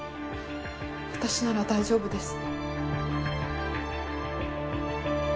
私なら大丈夫です。